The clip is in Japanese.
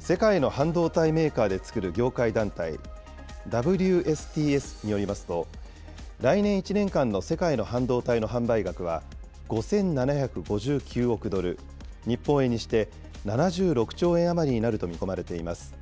世界の半導体メーカーで作る業界団体、ＷＳＴＳによりますと、来年１年間の世界の半導体の販売額は、５７５９億ドル、日本円にして７６兆円余りになると見込まれています。